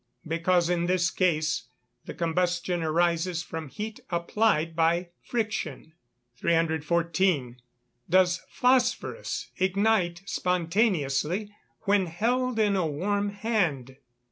Because in this case the combustion arises from heat applied by friction. 314. _Does phosphorous ignite spontaneously when held in a warm hand?